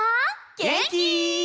げんき？